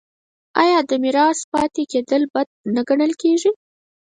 آیا د میرات پاتې کیدل بد نه ګڼل کیږي؟